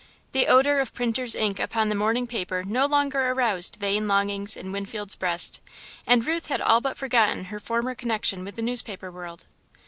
The odour of printer's ink upon the morning paper no longer aroused vain longings in Winfield's breast, and Ruth had all but forgotten her former connection with the newspaper world.